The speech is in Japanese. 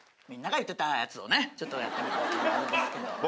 ちょっとやってみたっていうのあるんですけど。